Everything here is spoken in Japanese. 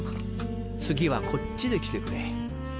次はこっちで来てくれ。